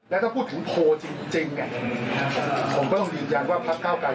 ผมก็ต้องเรียกอย่างว่าพักเก้าไกร